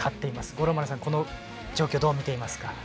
五郎丸さん、この状況どう見ていますか？